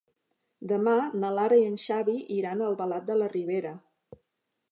Demà na Lara i en Xavi iran a Albalat de la Ribera.